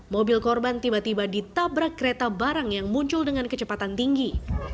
mobil korban tiba tiba ditabrak kereta barang yang muncul dengan kecepatan tinggi